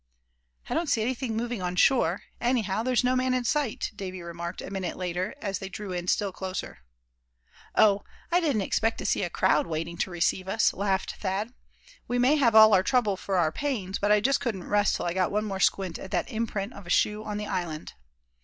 "I don't see anything moving on shore; anyhow there's no man in sight," Davy remarked a minute later, as they drew in still closer. "Oh! I didn't expect to see a crowd waiting to receive us," laughed Thad. "We may have all our trouble for our pains; but I just couldn't rest till I got one more squint at that imprint of a shoe on the island."